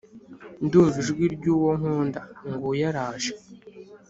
Ndumva ijwi ry’uwo nkunda! Nguyu araje,